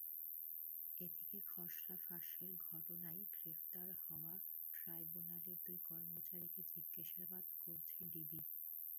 এদিকে খসড়া ফাঁসের ঘটনায় গ্রেপ্তার হওয়া ট্রাইব্যুনালের দুই কর্মচারীকে জিজ্ঞাসাবাদ করছে ডিবি।